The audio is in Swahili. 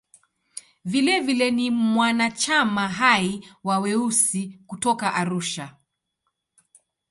Vilevile ni mwanachama hai wa "Weusi" kutoka Arusha.